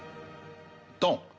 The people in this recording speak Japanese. ドン！